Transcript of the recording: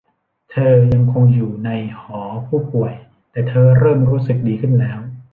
เธอยังคงอยู่ในหอผู้ป่วยแต่เธอเริ่มรู้สึกดีขึ้นแล้ว